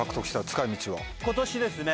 今年ですね